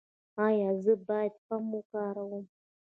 ایا زه باید پمپ وکاروم؟